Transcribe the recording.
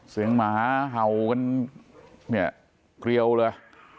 เสียงหมาเห่ากันเกลียวเลย